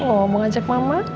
oh mau ajak mama